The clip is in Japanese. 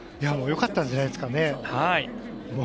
よかったんじゃないですかね。